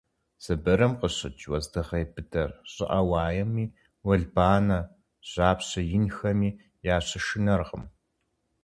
Сыбырым къыщыкӀ уэздыгъей быдэр щӀыӀэ уаеми, уэлбанэ, жьапщэ инхэми ящышынэркъым.